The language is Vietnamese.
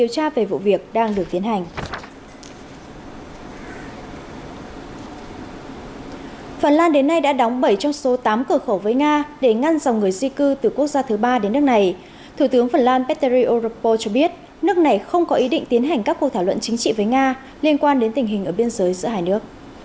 xin chào và hẹn gặp lại trong các bản tin tiếp theo